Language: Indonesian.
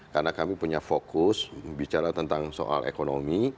karena kami punya fokus bicara tentang soal ekonomi